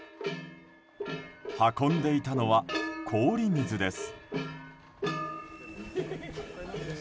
運んでいたのは氷水です。